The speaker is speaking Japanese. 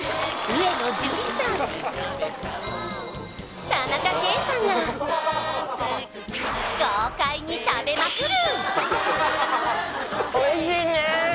上野樹里さん田中圭さんが豪快に食べまくる